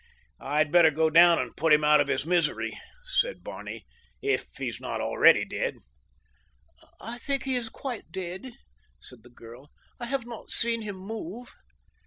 "I'd better go down and put him out of his misery," said Barney, "if he is not already dead." "I think he is quite dead," said the girl. "I have not seen him move."